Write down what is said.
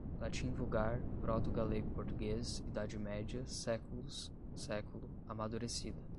latim vulgar, proto-galego-português, Idade Média, séculos, século, amadurecida